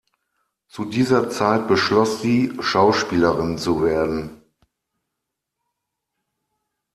Zu dieser Zeit beschloss sie, Schauspielerin zu werden.